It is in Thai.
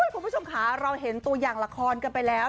คุณผู้ชมค่ะเราเห็นตัวอย่างละครกันไปแล้ว